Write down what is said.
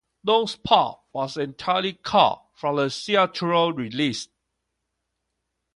Long's part was entirely cut from the theatrical release.